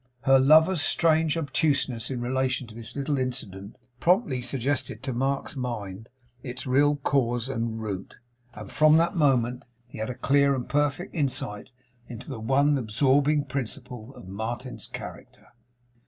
Her lover's strange obtuseness in relation to this little incident, promptly suggested to Mark's mind its real cause and root; and from that moment he had a clear and perfect insight into the one absorbing principle of Martin's character.